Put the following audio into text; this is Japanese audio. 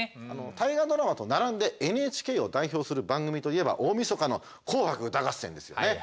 大河ドラマと並んでＮＨＫを代表する番組といえば大みそかの「紅白歌合戦」ですよね？